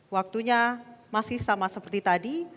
waktunya masih sama seperti tadi